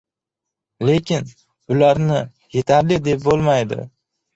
Lekin bularni yetarli deb bo‘lmaydi.